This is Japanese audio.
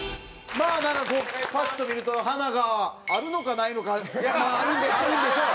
だからこうパッと見ると華があるのかないのかまああるんでしょう！